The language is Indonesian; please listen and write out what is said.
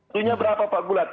dunia berapa pak gulat